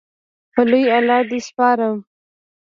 په لوی الله دې سپارم